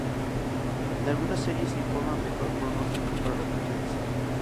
En algunas series se informa mejor pronóstico para las mujeres.